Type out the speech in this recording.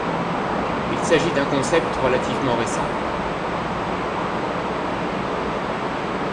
Il s'agit d'un concept relativement récent.